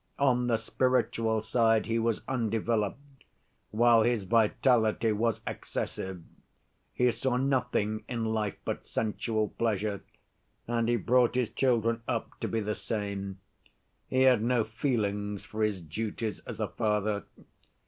On the spiritual side he was undeveloped, while his vitality was excessive. He saw nothing in life but sensual pleasure, and he brought his children up to be the same. He had no feelings for his duties as a father.